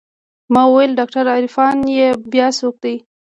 ما وويل ډاکتر عرفان يې بيا څوک دى.